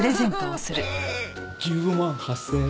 １５万８０００円。